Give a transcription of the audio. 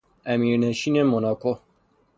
امیرنشین موناکو